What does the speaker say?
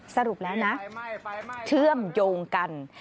สรุปแล้วนะเชื่อมโยงกัน